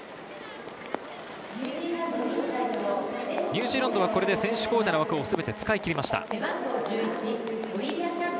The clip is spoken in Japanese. ニュージーランドはこれで選手交代の枠を全て使いきりました。